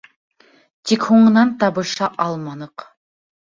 Тик һуңынан табыша алманыҡ.